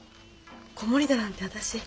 子守だなんて私。